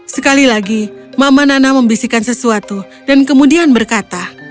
sekali lagi mama nana membisikkan sesuatu dan kemudian berkata